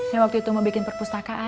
yang waktu itu mau bikin perpustakaan